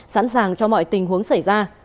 sẵn sàng cho mọi tình huống xảy ra